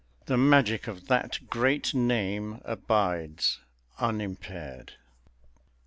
The magic of that great name abides unimpaired.